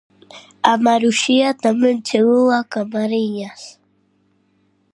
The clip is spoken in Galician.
A marusía tamén chegou a Camariñas.